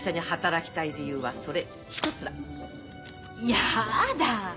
やだ。